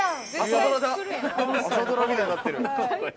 朝ドラみたいになってる。